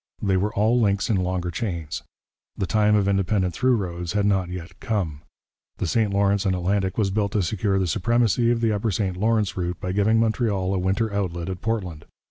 They were all links in longer chains; the time of independent through roads had not yet come. The St Lawrence and Atlantic was built to secure the supremacy of the upper St Lawrence route by giving Montreal a winter outlet at Portland.